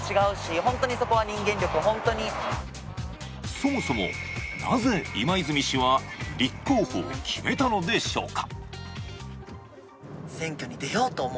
そもそもなぜ今泉氏は立候補を決めたのでしょうか。